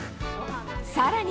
さらに。